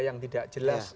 yang tidak jelas